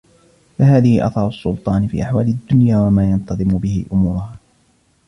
فَهَذِهِ آثَارُ السُّلْطَانِ فِي أَحْوَالِ الدُّنْيَا وَمَا يَنْتَظِمُ بِهِ أُمُورُهَا